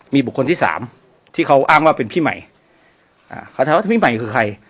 มีบุคคลที่สามที่เขาอ้างว่าเป็นพี่ใหม่อ่าเขาถามว่าพี่ใหม่คือใคร